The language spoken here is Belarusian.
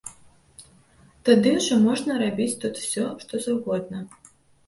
Тады ўжо можна рабіць тут усё, што заўгодна.